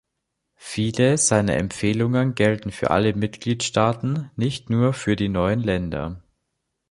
Viele seiner Empfehlungen gelten für alle Mitgliedstaaten, nicht nur für die neuen Länder.